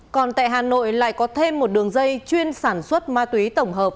còn tại hà nội lại có thêm một đường dây chuyên sản xuất ma túy tổng hợp